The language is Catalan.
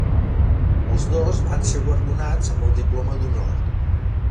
Els dos van ser guardonats amb el diploma d'honor.